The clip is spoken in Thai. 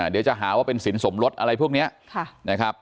เดี๋ยวจะหาว่าเป็นสินสมรสอะไรพวกนี้นะครับ